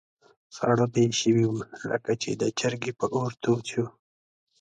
ساړه به یې شوي وو، لکه چې د چرګۍ په اور تود شو.